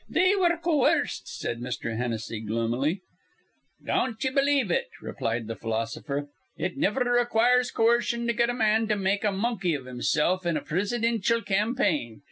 "They were coerced," said Mr. Hennessy, gloomily. "Don't ye believe it," replied the philosopher. "It niver requires coercion to get a man to make a monkey iv himsilf in a prisidintial campaign.